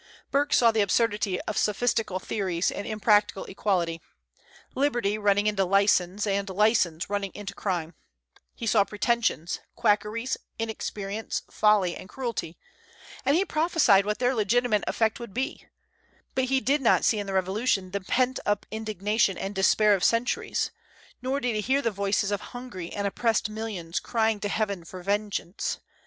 Burke saw the absurdity of sophistical theories and impractical equality, liberty running into license, and license running into crime; he saw pretensions, quackeries, inexperience, folly, and cruelty, and he prophesied what their legitimate effect would be: but he did not see in the Revolution the pent up indignation and despair of centuries, nor did he hear the voices of hungry and oppressed millions crying to heaven for vengeance.